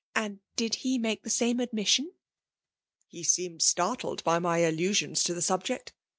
And did fe make the saane admisakm? "" He seemed startled by m j attuskms to the subject.